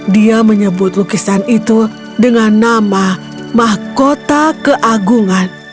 dia menyebut lukisan itu dengan nama mahkota keagungan